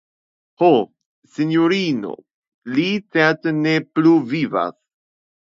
Ho, sinjorino, li certe ne plu vivas.